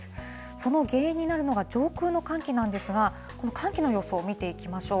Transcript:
その原因になるのが、上空の寒気なんですが、この寒気の予想、見ていきましょう。